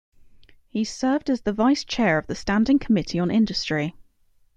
He served as the Vice-Chair of the Standing Committee on Industry.